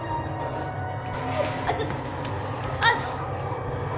あっちょっあっ！